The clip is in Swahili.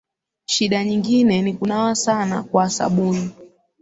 Shida nyingine ni kunawa sana kwa sabuni